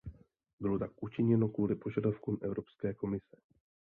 Bylo tak učiněno kvůli požadavkům evropské komise.